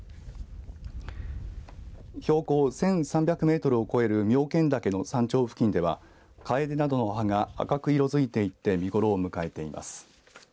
標高１３００メートルを超える妙見岳の山頂付近ではカエデなどの葉が赤く色づいていて見頃を迎えています。